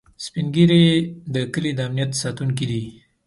سپین ږیری د کلي د امنيت ساتونکي دي